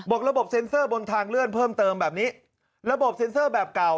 ระบบเซ็นเซอร์บนทางเลื่อนเพิ่มเติมแบบนี้ระบบเซ็นเซอร์แบบเก่า